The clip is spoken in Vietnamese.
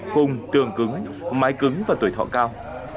khung tường cứng mái cứng và tuổi thọ cao